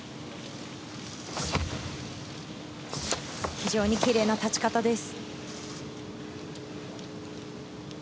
非常にきれいな立ち方です。